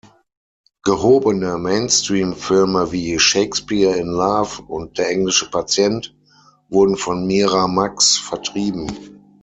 Gehobene Mainstream-Filme wie "Shakespeare in Love" und "Der englische Patient" wurden von Miramax vertrieben.